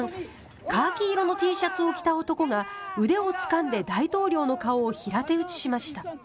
カーキ色のＴシャツを着た男が腕をつかんで大統領の顔を平手打ちしました。